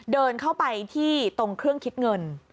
เดินเข้าไปที่ตรงเครื่องคิดเงิน